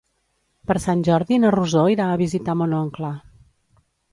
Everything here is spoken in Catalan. Per Sant Jordi na Rosó irà a visitar mon oncle.